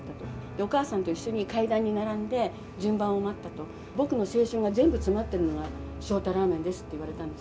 お母さんと一緒に階段に並んで、順番を待ったと、僕の青春が全部詰まっているのは、翔太らーめんですって言われたんです。